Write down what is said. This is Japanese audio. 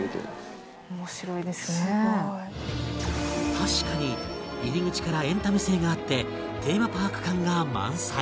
確かに入り口からエンタメ性があってテーマパーク感が満載